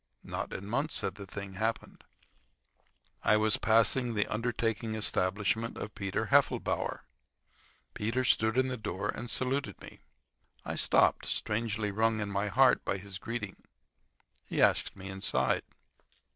Not in months had the thing happened. I was passing the undertaking establishment of Peter Heffelbower. Peter stood in the door and saluted me. I stopped, strangely wrung in my heart by his greeting. He asked me inside.